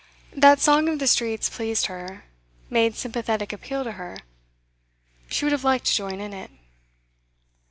That song of the streets pleased her, made sympathetic appeal to her; she would have liked to join in it.